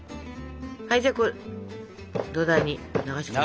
はいじゃあ土台に流し込みます。